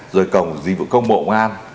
rồi cổng dịch vụ công bộ ngoan